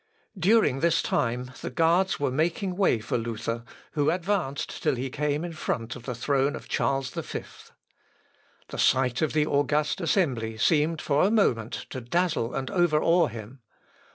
p. 348.) During this time, the guards were making way for Luther, who advanced till he came in front of the throne of Charles V. The sight of the august assembly seemed for a moment to dazzle and overawe him.